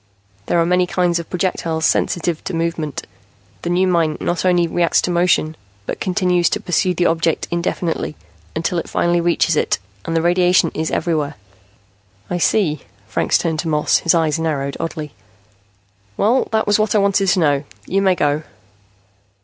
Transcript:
There are many kinds of projectiles sensitive to movement. The new mine not only reacts to motion, but continues to pursue the object indefinitely, until it finally reaches it. And the radiation is everywhere." "I see." Franks turned to Moss, his eyes narrowed oddly. "Well, that was what I wanted to know. You may go."